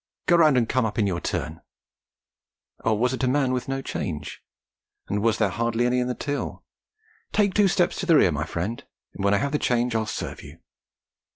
Go round and come up in your turn!' Or was it a man with no change, and was there hardly any in the till? 'Take two steps to the rear, my friend, and when I have the change I'll serve you!'